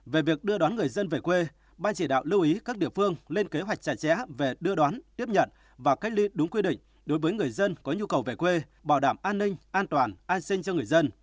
về việc đưa đón người dân về quê ban chỉ đạo lưu ý các địa phương lên kế hoạch chặt chẽ về đưa đón tiếp nhận và cách ly đúng quy định đối với người dân có nhu cầu về quê bảo đảm an ninh an toàn an sinh cho người dân